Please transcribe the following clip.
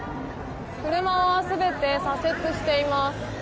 車は全て左折しています。